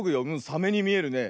サメにみえるね。